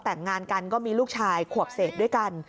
แต่งงานกันก็มีลูกชายขวบเศษด้วยกัน